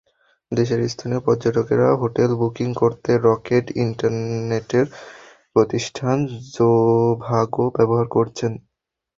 দেশের স্থানীয় পর্যটকেরা হোটেল বুকিং করতে রকেট ইন্টারনেটের প্রতিষ্ঠান জোভাগো ব্যবহার করছেন।